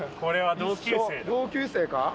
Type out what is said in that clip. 同級生か？